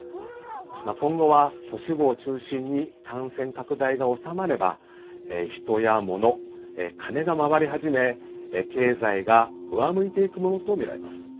今後は都市部を中心に感染拡大が収まれば人やもの、金が回り始め経済が上向いていくものとみられます。